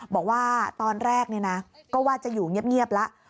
บอกว่าตอนแรกก็ว่าจะอยู่เงียบแล้ว